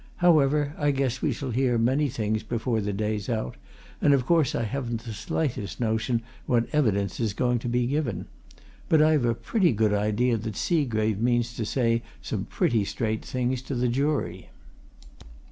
However, I guess we shall hear many things before the day's out; of course I haven't the slightest notion what evidence is going to be given. But I've a pretty good idea that Seagrave means to say some pretty straight things to the jury!"